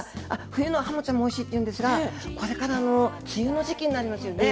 冬のハモちゃんもおいしいんですがこれから梅雨の時期になりますよね。